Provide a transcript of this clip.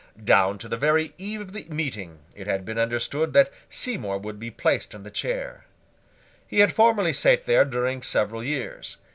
Down to the very eve of the meeting, it had been understood that Seymour would be placed in the chair. He had formerly sate there during several years.